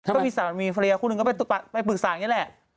ก็มีสามีภรรยาคู่หนึ่งก็ไปปรึกษาอย่างนี้แหละ